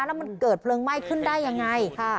แล้วมันเกิดเพลิงไหม้ขึ้นได้ยังไง